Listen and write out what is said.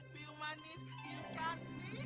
bium manis bium kardi